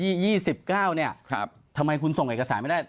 ยี่สิบเก้าเนี่ยครับทำไมคุณส่งเอกสารไม่ได้